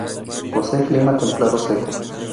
Posee clima templado seco.